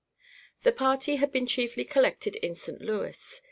The party had been chiefly collected in St. Louis.